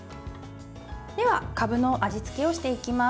では、かぶの味付けをしていきます。